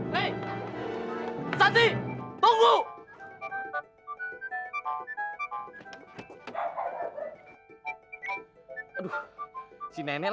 dia estrogenan usia empat belas tahun kumar